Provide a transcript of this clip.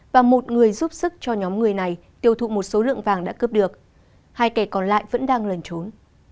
và một người giúp sức cho nhóm người này tiêu thụ một số lượng vàng đã cướp được hai kẻ còn lại vẫn đang lẩn trốn